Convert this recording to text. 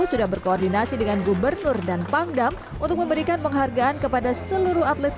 sudah berkoordinasi dengan gubernur dan pangdam untuk memberikan penghargaan kepada seluruh atlet